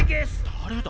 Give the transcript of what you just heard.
だれだ？